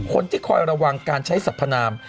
คอยระวังการใช้สัพพนาม